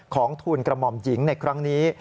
ทูลกระหม่อมหญิงในครั้งนี้